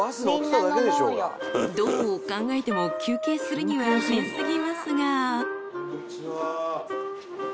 ［どう考えても休憩するには早過ぎますが］